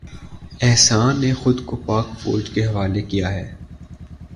احسان نے خود کو پاک فوج کے حوالے کیا ہے